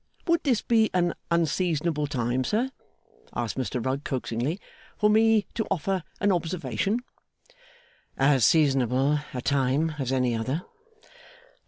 Would this be an unseasonable time, sir,' asked Mr Rugg, coaxingly, 'for me to offer an observation?' 'As seasonable a time as any other.